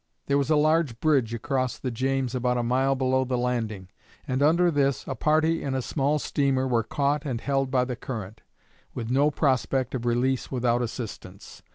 There was a large bridge across the James about a mile below the landing, and under this a party in a small steamer were caught and held by the current, with no prospect of release without assistance.